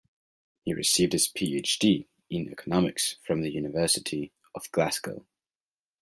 He received his PhD in economics from the University of Glasgow.